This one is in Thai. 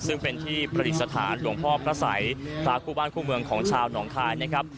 ซึ่งเป็นที่ประดิษฐานหลวงพ่อพระสัยพระคู่บ้านคู่เมืองของชาวหนองคายนะครับ